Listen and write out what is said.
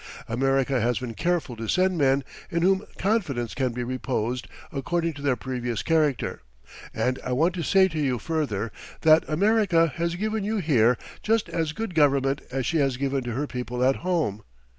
America has been careful to send men in whom confidence can be reposed according to their previous character; and I want to say to you further, that America has given you here just as good government as she has given to her people at home.